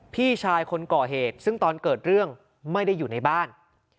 พี่ชายคนก่อเหตุซึ่งตอนเกิดเรื่องไม่ได้อยู่ในบ้าน